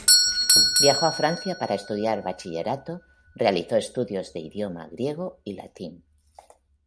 Viajó a Francia para estudiar bachillerato, realizó estudios de idioma griego y latín.